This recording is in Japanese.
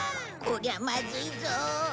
こりゃまずいぞ。